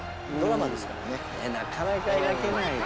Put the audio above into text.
なかなか描けないよね。